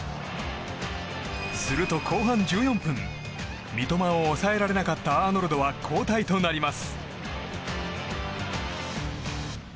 すると後半１４分三笘を抑えられなかったアーノルドは交代となります。